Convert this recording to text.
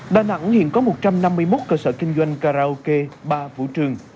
đà nẵng hiện có một trăm năm mươi một cơ sở kinh doanh karaoke ba vũ trường